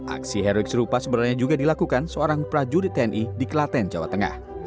aksi heroik serupa sebenarnya juga dilakukan seorang prajurit tni di klaten jawa tengah